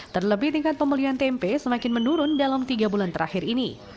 terlebih tingkat pembelian tempe semakin menurun dalam tiga bulan terakhir ini